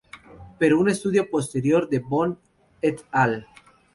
Pero un estudio posterior de Boon "et al.